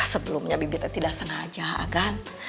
sebelumnya bibi teh tidak sengaja agan